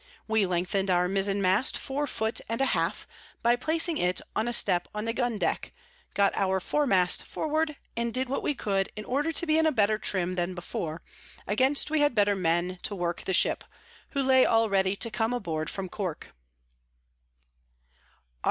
We lengthen'd our Mizen Mast four Foot and a half, by placing it on a Step on the Gun Deck; got our Fore Mast forward, and did what we could in order to be in a better trim than before, against we had better Men to work the Ship, who lay all ready to come aboard from Cork. _Aug.